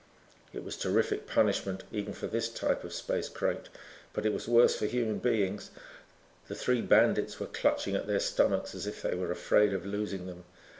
It was terrific punishment even for this type of space crate but it was worse for human beings. The three bandits were clutching at their stomachs as if they were afraid of losing them.